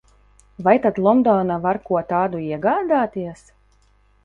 Vai tad Londonā var ko tādu iegādāties?